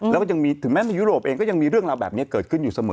แล้วก็ยังมีถึงแม้ในยุโรปเองก็ยังมีเรื่องราวแบบนี้เกิดขึ้นอยู่เสมอ